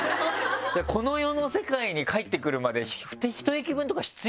この世の世界に帰ってくるまで１駅分とか必要よね。